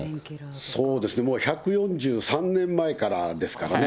そうですね、もう１４３年前からですからね。